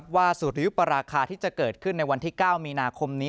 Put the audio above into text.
สุริยุปราคาที่จะเกิดขึ้นในวันที่๙มีนาคมนี้